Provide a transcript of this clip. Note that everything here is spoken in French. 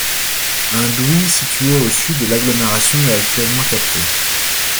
Une douix située au sud de l'agglomération est actuellement captée.